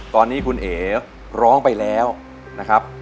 ตอนนี้คุณเอ๋ร้องไปแล้วนะครับ